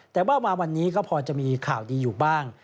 แต่ว่ามาวันนี้ก็พอจะมีข่าวดีอยู่บ้าง